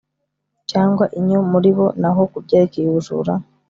Cyangwa inyo muri bo naho kubyerekeye ubujura